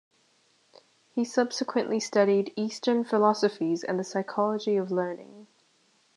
He subsequently studied eastern philosophies and the psychology of learning.